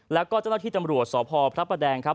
แล้วก็เจ้าหน้าที่ตำรวจสพพระประแดงครับ